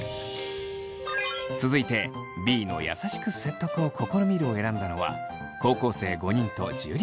続いてＢの「優しく説得を試みる」を選んだのは高校生５人と樹。